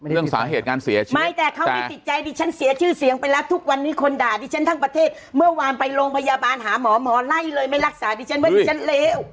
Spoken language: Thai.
เรื่องสาเหตุงานเสียชีพเมื่อกี้ทุกวันนี้คนด่าดิฉันทั้งประเทศแม่วานไปโรงพยาบาลหาหมอหมอไล่เลยไม่รักษาดิฉันว่าดิฉันเหลว